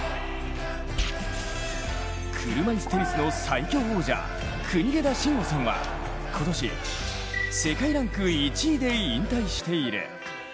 車いすテニスの最強王者、国枝慎吾さんは今年、世界ランク１位で引退している。